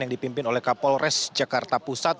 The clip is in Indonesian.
yang dipimpin oleh kapolres jakarta pusat